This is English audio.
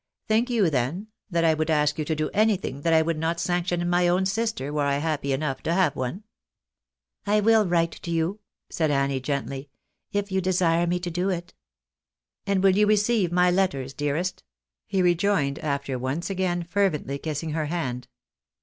Think you, then, that I would ask you to do anything that I would not sanction in my own sister, were I happy enough to have one? "" I will write to you," said Annie, gently, " if you desire me to do it." "And will you receive my letters, dearest? " he rejoined, after once again fervently kissing her hand.